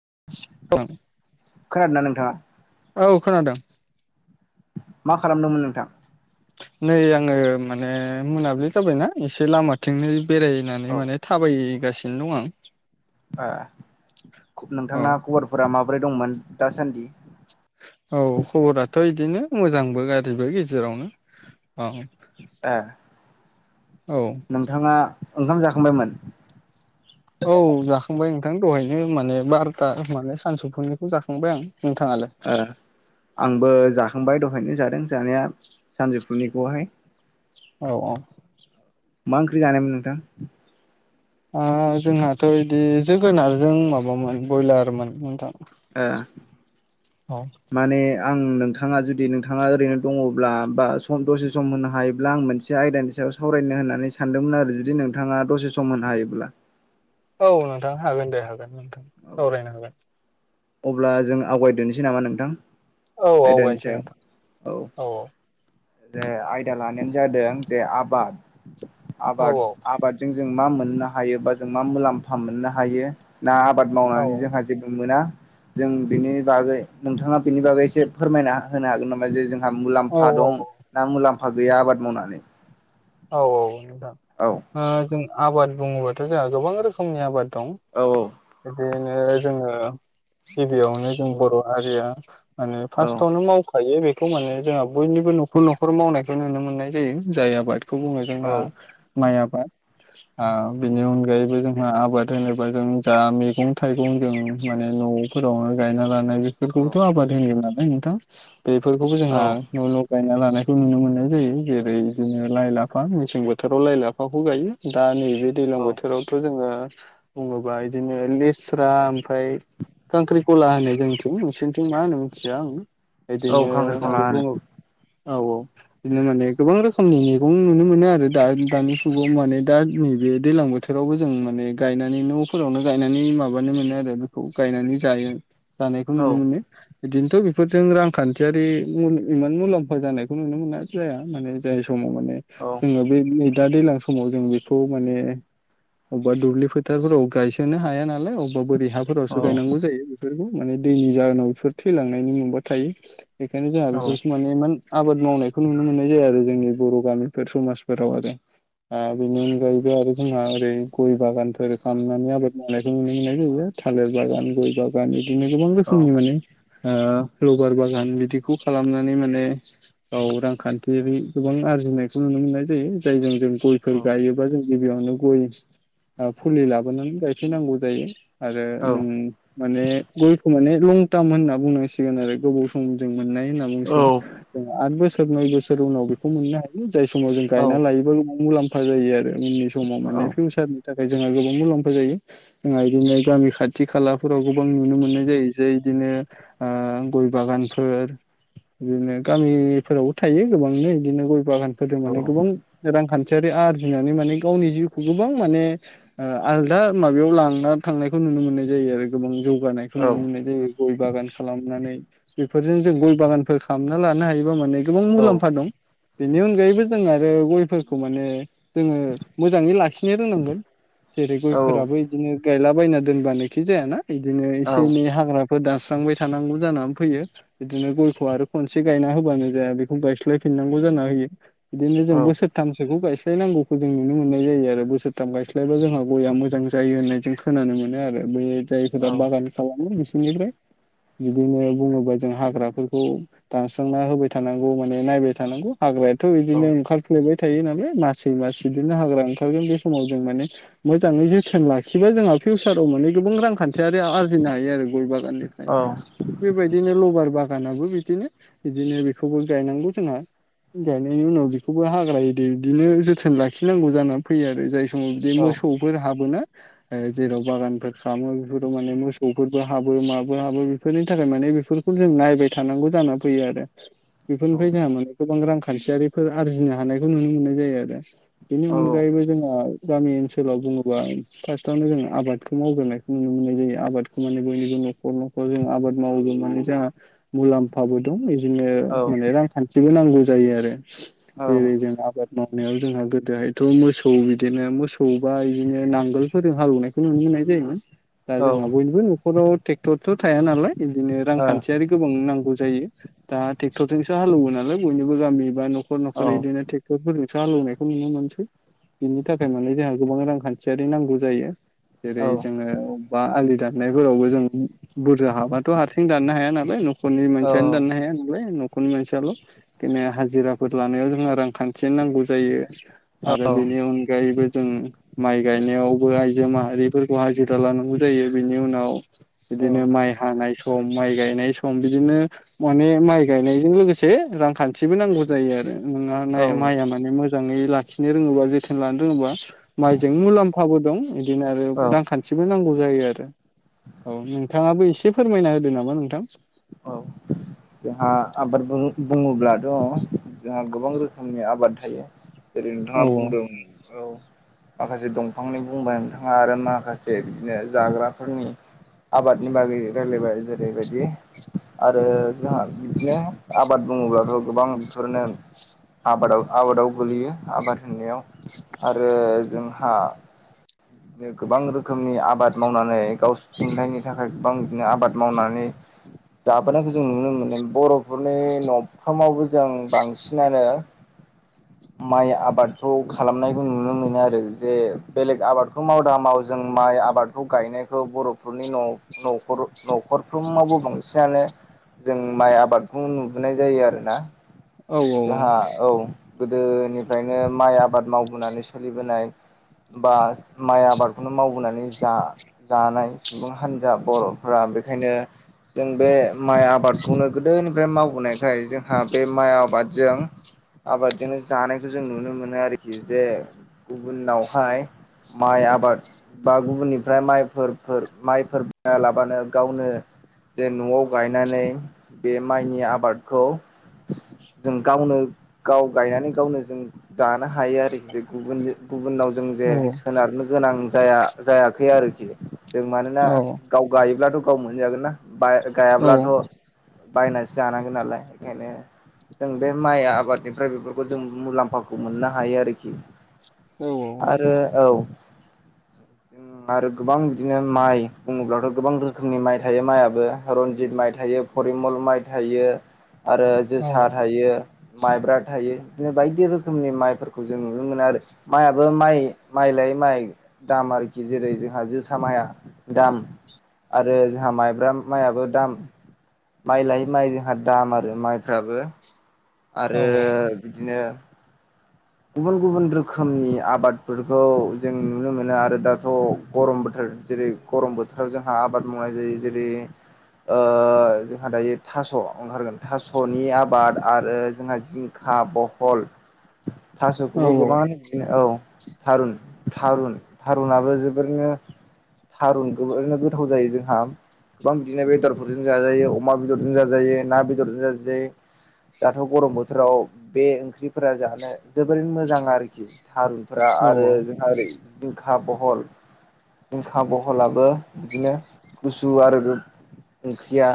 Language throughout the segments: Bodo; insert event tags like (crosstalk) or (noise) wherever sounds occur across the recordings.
(unintelligible) खोनादोंना नोंथाङा? औ खोनादों। मा खालामदोंमोन नोंथां? नै आङो माने मोनाबिलि जाबायना एसे लामाथिंनै औ बेरायनानै माने थाबायगासिनो दं आं। अ नोंथांना आं खबरफोरा माबोरै दंमोन दासान्दि? औ खबराथ' इदिनो मोजांबो गाज्रिबो गेजेरावनो। अ ए नोंथाङा ओंखाम जाखांबायमोन औ जाखांबाय नोंथां दहायनो माने बार'ता माने सानसौफोरनिखौ जाखांबाय आं नोंथाङालाय ओ आंबो जाखांबाय दहायनो जादों जानाया सानजौफुनिखौहाय (inaudible) मा ओंख्रि जानायमोन नोंथां अ जोंहाथ' इदि जोगोनारजों माबामोन बयलारमोन नोंथां ओ औ माने आं नोंथाङा जुदि नोंथाङा ओरैनो दङब्ला बा सम दसे सम होनो हायोब्ला आं मोनसे आयदानि सायाव सावरायनो होननानै सानदोंमोन आरो जुदि नोंथाङा दसे सम होनो हायोब्ला औ नोंथां हागोन दे हागोन नोंथां औ सावरायनो हागोन अब्ला जों आवगायदोननोसै नामा नोंथां औ आयदानि आवगायनोसै नोंथां सायाव औ दे आयदा लानायानो जादों जे आबाद औ आबाद-आबादजों जों मा मोननो हायो बा जों मा मुलाम्फा मोननो हायो ना आबाद औ मावनानै जोंहा जेबो मोना जों बेनि बागै नोंथाङा बेनि बागै एसे फोरमायना होनो हागोन नामा जे जों जोंहा औ मुलाम्फा औ दं ना मुलाम्फा गैया आबाद मावनानै औ औ नोंथां औ ओ जों आबाद बुङोबाथ' जोंहा गोबां रोखोमनि आबाद दं औ बे ओ जोङो गिबिआवनो जों बर' हारिया माने औ फार्स्टावनो मावखायो बे थ माने जोंहा बयनिबो न'खर-न'खर मावनायखौ नुनो मोननाय जायो जाय आबाद बेखौ बुंनो जोंहा माइ आबाद आ बिनि अनगायैबो जोंहा आबाद होनोबा जों जा मैगं थाइगं जों माने न' न'फोरावनो गायना ला नाय औ बेफोरखौबोथ बुङो नालाय नोंथां बेफोरखौबो औ जोंआ न'न' गायना लानाय खौ नुनो मोननाय जायो जेरै बिदिनो लाइ-लाफा मेसें बोथोराव लाइ लाफाखौ गायो दा नै बे दैलां औ बोथोरावथ' जोङो बुङोबा बिदिनो लेस्रा ओमफ्राय खांख्रि खला होननाय जोंथिं नोंसोरनिथिं मा होनो मिथिया आं औ बिदिनो खांख्रिखला आरो होनो बुङो औ औ बिदिनो माने गोबां रोखोमनि नुनो मोनो। आरो दा दानि जुगाव माने दा नैबे दैज्लां बोथोरावबो जों माने गायनानै नफोरावनो गाय नानै माबा मोनो आरो बेखौ गायनानै जानायखौ नुनो मोनो बिदिनो। थ बेफोरजों रांखान्थियारि अम इमान मुलाम्फा जानायखौ नुनो मोननाय जाया माने जाय समाव माने। औ जोंङो बे नै दा दैज्लां समाव जों बेखौ माने। अबबा दुब्लि फोथारफोराव गायसोनो हाया नालाय अबबा बोरि। औ हाफोरावसो गायनांगौ जायो बेफोरखौ माने दैनि जाहोनाव बेफोर थैलांनायनि माबा थायो। बेखायनो जोंहा औ बिफोरखौ माने इमान आबाद मावनायखौ नुनो मोननाय जाया आरो जोंनि बर गामि। बे समाजफोराव आरो ओ बेनि अनगायैबो आरो जोंहा ओरै गय बागान फोर खामनानै आबाद मावनायखौ नुनो मोननाय जायो थालिर बागान गय बागान इदि। बिदिनो गोबां औ रोखोमनि माने। ओ लबार बागान बिदिखौ खालामनानै माने औ रांखान्थियारि गोबां आरजिनाय खौ नुनो मोननाय जायो जायजों जों गयफोर गायोबा जों। गिबियावनो गय अ फुलि लाबोनानै गायफैनांगौ जायो। आरो औ नों माने गयखौ माने लं ट्राम होनना बुंनांसिगोन आरो गोबाव सम जों। मोननाय होनना बुंसिगोन जों आद बोसोर नय बोसोरनि उनाव बेखौ मोननो हायो। जाय समाव जों गायना औ लायोबा गोबां मुलाम्फा जायो आरो उननि समाव माने फिउसारनि। थाखाय जोंहा गोबां मुलाम्फा जायो जोंहा बिदिनो गामि खाथि खालाफोराव गोबां नुनो मोननाय जायो जे बिदिनो गय बागानफोर। बिदिनो गामिफोरावबो थायो गोबांनो बिदिनो गय बागानफोरजों माने गोबां रांखान्थि। थियारि आरजिनानै माने गावनि जिउखौ गोबां माने आलदा माबायाव लांना थांनायखौ नुनो। नुनो मोननाय जायो आरो गोबां औ जौगानायखौ नुनो मोननाय जायो गय बागान खालामनानै। बेफोरजों जों गय बागानफोर खालामना लानो हायोबा माने गोबां मुलाम्फा औ दं। बेनि अनगायैबो जों आरो गयफोरखौ माने। जोंङो मोजाङै लाखिनो रोंनांगोन जेरै गयफोराबो बिदिनो। गायलाबायना दोनबानोखि जायाना बिदिनो एसे एनै हाग्रा। फोर दानस्रांबाय थानांगौ जानानै फैयो बिदिनो गयखौ आरो खनसे गायना होबानो जाया बेखौ गायस्लायफिननांगौ। नांगौ जाना होयो बिदिनो जों बोसोरथामसोखौ गाय गायस्लायनांगौखौ जों नुनो मोननाय जायो आरो बोसोरथाम गायस्लायबा जोंहा गया मोजां जायो होननाय जों खोनानो मोनो आरो बै। जायफोरा बागान खालामो बिसिनिफ्राय। बिदिनो बुङोबा जों हाग्राफोरखौ दानस्रांना होबाय थानांगौ माने नायबाय था। थानांगौ हाग्रायाथ'बिदिनो ओंखारफ्लेबाय। थायो नालाय मासै मास बिदिनो हाग्रा ओंखारगोन बे समाव जों माने मोजाङै जोथोन लाखिबा जोंहा। फिउसाराव माने। गोबां रांखान्थियारि आरजिनो हायो आरो गय बागाननिफ्राय औ औ थिग बेबायदिनो लबार बागान। बागानाबो बिदिनो बिदिनो बेखौबो गायनांगौ जोंहा। गायनायनि उनाव बेखौबो हाग्रा इदि बिदिनो जोथोन लाखिनांगौ जानानै फैयो आरो जाय। औ बिदि औ मोसौफोर हाबोना। ओ जेराव बागानफोर खालामो बेफोराव माने मोसौफोरबो हाबो माबो हाबो बेफोरनि थाखाय माने। बेफोरखौ जों नायबाय थानांगौ जानानानै फैयो आरो। औ बेफोरनिफ्राय जोंहा माने गोबां रांखान्थियारिफोर आरजिनो हानायखौ नुनो मोननाय जायो आरो। बेनि औ अनगायैबो जोंहा। गामि ओनसोलाव बुङोबा फार्स्टआवनो जोंङो आबादखौ मावग्रोनायखौ नुनो मोननाय जायो आबादखौ माने बयनि। नखर नखर जा आबाद मावो जोंहा मुलाम्फाबो दं। बिदिनो औ माने रांखान्थिबो नांगौ जायो आरो औ जेरै जों आबाद माव। हानायाव जोंहा गोदोहायथ मोसौ बिदिनो मोसौबा बिदिनो नांगोलफोरजों हालौवनायखौ नुनो मोननाय जायो। जायोमोन। दा औ जोंहा बयनिबो नखराव ट्रेक्टरथ' थाया नालाय बिदिनो रांखान्थियारि गोबां नांगौ। जायो दा ट्रेक्टरजोंसो हालौवो नालाय बयनिबो गामिबा नखर नखर इदिनो ट्रेक्टरफोर। सो हालौवनायखौ नुनो मोनसै बिनि थाखाय माने जोंहा गोबां रांखान्थियारि नांगौ जायो। जेरै जोङो अबबा आलि दाननायफोरावबो जों बुरजा हाबाथ' हारसिं दाननो हाया नालाय न'खरनि मानसियानो दाननो हाया नालाय न'खरनि मानसियाल' बिनो हाजिराफोर लानायाव जोंहा रांखान्थियानो नांगौ जायो आरो बेनि अनगायैबो जों माइ गायनायावबो आइजो माहारिफोरखौ हाजिरा लानांगौ जायो बिनि उनाव बिदिनो माइ हानाय सम माइ गायनाय सम बिदिनो माने माइ गायनायजों लोगोसे रांखान्थिबो नांगौ जायो आरो नों माइया माने मोजां मोजाङै लाखिनो रोङोबा जोथोन लानो रोङोबा माइजों मुलाम्फाबो दं बिदिनो आरो रांखान्थिबो नांगौ। जायो आरो औ नोंथाङाबो एसे फोरमायना होदो नामा नोंथां। औ। जोंहा आबाद बुङोब्लाथ' जोंहा गोबां रोखोमनि आबाद थायो। ओरै नोंथाङा औ बुंदों औ। माखासे दंफांनि बुंबाय नोंथाङा आरो माखासे बिदिनो जाग्राफोरनि आबादनि बागै रायलायबाय जेरैबायदि। आरो जोंहा बिदिनो आबाद बुङोब्लाथ' गोबां बेफोरनो। आबादाव आबादाव गोलैयो आबाद होननायाव आरो जोंहा। बिदिनो गोबां रोखोमनि आबाद मावनानै गाव सुफुंथायनि थाखाय गोबां बिदिनो आबाद मावनानै (inaudible) जाबोनायखौ जों नुनो मोनो बर'फोरनि न'फ्रामावबो जों बांसिनानो माइ आबादखौ खालामनायखौ नुनो मोनो आरो जे बेलेग आबादखौ माव दामाव जों माइ आबादखौ गायनायखौ बर'फोरनि न-न'खर नख'रफ्रोमावबो बांसिनानो जों माइ आबादखौ नुबोनाय जायो आरोना औ जोंहा औ। गोदोनिफ्रायनो माइ आबाद मावबोनानै सोलिबोनाय। बा माइ आबादखौनो मावबोनानै जा-जानाय सुबुं हान्जा बर'फ्रा। बेखायनो जों बे माइ आबादखौनो गोदोनिफ्राय मावबोनाय जोंहा बे माइ आबादजों आबादजोंनो जानायखौ जों नुनो मोनो आरखि जे गुबुनावहाय माइ आबाद बा गुबुननिफ्राय माइफोर फोर माइफोर बाया लाबानो गावनो जे न'आव गायनानै बे माइनि आबादखौ जों गावनो गाव गायनानै गावनो जों जानो हायो आरोखि जे गुबुननि गुबुननाव जों जे औ सोनारनो गोनां जाया जायाखै आरोखि। जों मानोना औ गाव गायोब्लाथ' गाव मोनजागोन ना बाय औ गायाब्लाथ' बायनासो जानांगोन नालाय ओंखायनो जों बे माइ आबादनिफ्राय बेफोरखौ जों मुलाम्फाखौ मोननो हायो आरोखि। औ औ आरो औ जों आरो गोबां बिदिनो माइ बुङोब्लाथ' गोबां रोखोमनि माइ थायो माइआबो रनजित माइ थायो फरिमल माइ थायो आरो जोसा थायो। माइब्रा थायो बिदिनो बायदि रोखोमनि माइफोरखौ जों नुनो मोनो आरो माइयाबो माइ माइ ला यै माइ दाम आरोखि जेरै जोंहा जोसा माइआ दाम। आरो जोंहा माइब्रा माइआबो दाम माइ लायै माइ जोंहा दाम आरो माइ फोराबो आरो बिदिनो गुबुन गुबुन रोखोमनि आबादफोरखौ जों नुनो मोनो आरो दाथ' गरम बोथोर जेरै गरम बोथोराव जोंहा आबाद मावनाय जायो। जेरै ओ जोंहा दायो थास' ओंखारगोन थास'नि आबाद आरो जोंहा जिं खा बहल औ थास'खौबो गोबाङानो बिदिनो औ थारुन थारुन थारुनाबो जोबोरनो थारुनखोबो ओरैनो गोथाव जायो जोंहा। गोबां बिदिनो बेदरफोरजों जाजायो अमा बेदरजों जाजायो ना बेदरजों जाजायो। दाथ' गरम बोथोराव बे ओंख्रिफोरा जानो जोबोरैनो मोजां आरोखि थारुनफोरा औ आरो औ जोंहा ओरै जिंखा बहल जिंखा बहलाबो बिदिनो गुसु आरो गो ओंख्रिया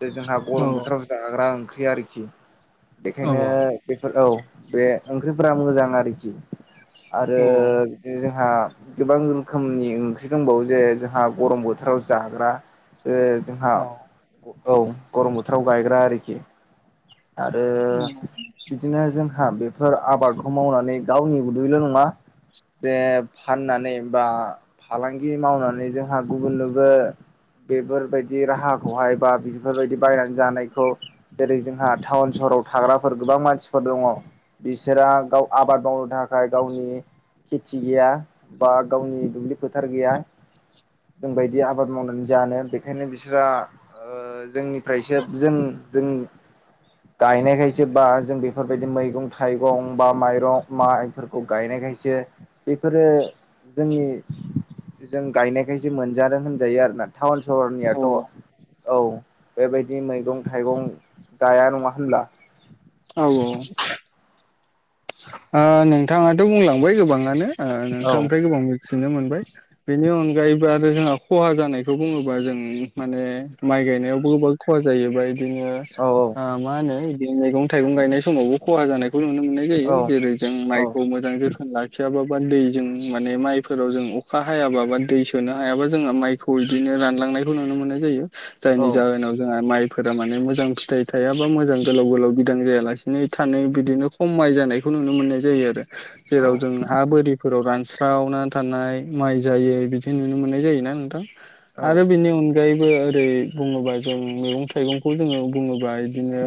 जे जोंहा औ गरम बोथोराव जाग्रा ओंख्रि आरोखि बेखायनो बेफोर औ बे ओंख्रिफोरा मोजां आरोखि आरो बिदि जों हा गोबां रोखोमनि ओंख्रि दंबावो जे जोंहा गरम बोथोराव जाग्रा ओ जोंहा औ औ गरम बोथोराव गायग्रा आरोखि। आरो बिदिनो जोंहा बे फोर आबादखौ मावनानै गावनि उदैल' नङा जे फाननानै बा फालांगि मावनानै जोंहा गुबुननोबो बेफोरबायदि राहाखौहाय बा बेफोरबायदि बायनानै जानायखौ जेरै जोंहा टाउन सहराव थाग्राफोर गोबां मानसिफोर दङ। बिसोरा गाव आबाद मावनो थाखाय गावनि खेथि गैया बा गावनि दुब्लि फोथार गैया। जोंबायदि आबाद मावनानै जानो बेखायनो बिसोरहा ओ जोंनि फ्रायसो जों जों गायनायखायसो बा जों बेफोरबायदि मैगं थाइगं बा माइरं माइफोरखौ गायनायखायसो बेफोरो जोंनि जों गायनायखायसो मोनजादों होनजायो आरोना टाउन सहरनियाथ' औ बेबायदि मैगं थाइगं गाया नङा होनब्ला औ औ। ओ नोंथाङाथ' बुंलांबाय गोबाङानो ओ औ नोंथांनिफ्राय गोबां मि थिनो मोनबाय बेनि अनगायैबो आरो जोंहा खहा जानायखौ बुङोबा जों माने माइ माइ गायनायावबो गोबां खहा जायोबाय। बिदिनो औ ओ मा होनो बिदिनो मैगं थाइगं गायनाय समावबो खहा जानायखौ नुनो मोनो। औ जेरै जों औ माइखौ मोजां जोथोन लाखियाबा दै जों माने माइफोराव जों अखा हायाबा बा दै सोनो हायाबा जोंआ माइखौ बिदिनो रानलां नाय नुनो मोननाय जायो जायनि औ जाउनाव जोंहा माइ फोरा माने मोजां फिथाइ थायाबा मोजां गोलाव गोलाव बिदां जायालासिनो थानै बिदिनो खमाय जानाय नुनो मोननाय जायो आरो जेराव जों औ हा बोरिफोराव रान स्रावना थानाय माइ जायै बिदि नुनो मोननाय जायोना नोंथां औ आरो बेनि अनगायै ओरै बुङोबा जों मैगं थाइगंखौ जोङो बुङोबा बिदिनो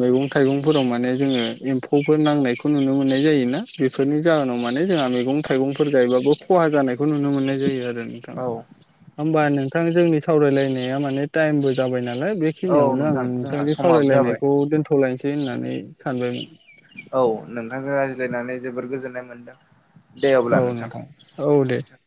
मैगं थाइगंफोराव माने जोङो एम्फौ नांनायखौ नुनो मोननाय जायोना बेफोरनि जाहोनाव माने जोंहा मैगं थाइगंफोर गायबाबो खहा जानायखौ खौ नुनो मोननाय जायो आरो। नोंथां औ होमबा नोंथां जोंनि सावरायलायनाया माने टाइमबो जाबाय ना लाय औ बेखिनियावनो आं नोंथां जोंहा नोंथांनि समाबो जाबाय सावरायलायनायखौ दोनथ'लायसै होननानै सानबायमोन। औ नोंथांजों रायज्लायनानै जोबोर गोजोननाय मोनदों। दे अब्ला औ नोंथां औ दे गोजोनथों।